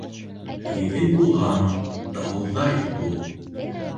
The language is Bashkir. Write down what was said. Егет булһаң тауҙай бул